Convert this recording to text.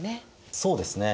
そうですね。